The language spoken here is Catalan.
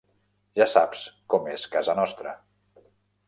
Ja saps com és casa nostra.